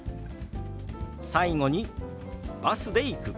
最後に「バスで行く」。